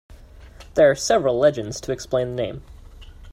There are several legends to explain the name.